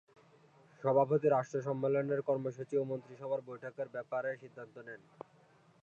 সভাপতি-রাষ্ট্র সম্মেলনের কর্মসূচী ও মন্ত্রীসভার বৈঠকের ব্যাপারে সিদ্ধান্ত নেন।